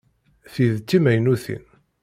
Ti d timaynutin.